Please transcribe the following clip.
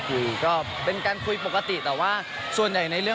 ซึ่งเจ้าตัวก็ยอมรับว่าเออก็คงจะเลี่ยงไม่ได้หรอกที่จะถูกมองว่าจับปลาสองมือ